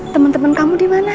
temen temen kamu di mana